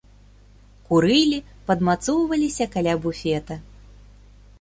Курылі, падмацоўваліся каля буфета.